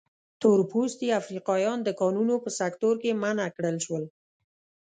تور پوستي افریقایان د کانونو په سکتور کې منع کړل شول.